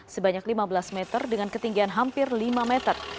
sebanyak lima belas meter dengan ketinggian hampir lima meter